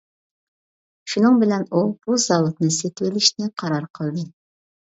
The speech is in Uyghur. شۇنىڭ بىلەن ئۇ بۇ زاۋۇتنى سېتىۋېلىشنى قارار قىلدى.